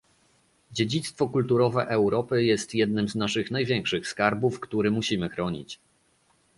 Dziedzictwo kulturowe Europy jest jednym z naszych największych skarbów, który musimy chronić